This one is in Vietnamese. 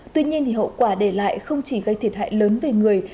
tuy nhiên hậu quả để lại không chỉ gây thiệt hại lớn về người